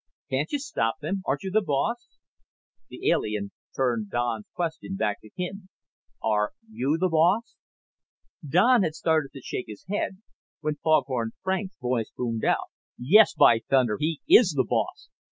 "Can't you stop them? Aren't you the boss?" The alien turned Don's question back on him. "Are you the boss?" Don had started to shake his head when Foghorn Frank's voice boomed out. "Yes, by thunder, he is the boss!